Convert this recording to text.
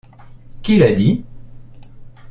Qui l’a dit ?...